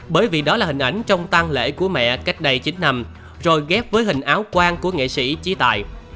bởi vì đó là hình ảnh trong tăng lễ của mẹ cách đây chín năm rồi ghép với hình áo quang của nghệ sĩ trí tài